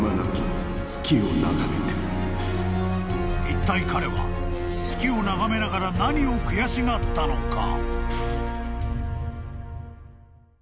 ［いったい彼は月を眺めながら何を悔しがったのか］